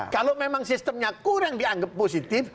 kalau memang sistemnya kurang dianggap positif